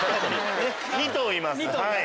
２頭います。